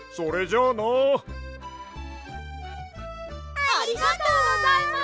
ありがとうございます！